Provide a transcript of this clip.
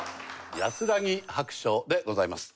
『やすらぎ白書』でございます。